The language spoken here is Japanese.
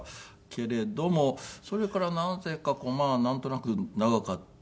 けれどもそれからなぜかなんとなく長かった。